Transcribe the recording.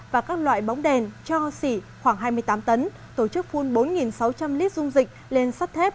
và các loại bóng đèn cho xỉ khoảng hai mươi tám tấn tổ chức phun bốn sáu trăm linh lít dung dịch lên sắt thép